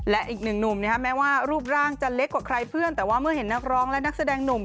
และอีกหนึ่งหนุ่มแม้ว่ารูปร่างจะเล็กกว่าใครเพื่อนแต่ว่าเมื่อเห็นนักร้องและนักแสดงหนุ่ม